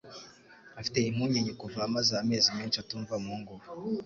Afite impungenge kuva amaze amezi menshi atumva umuhungu we